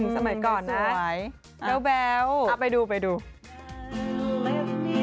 หนูสำหรับตอน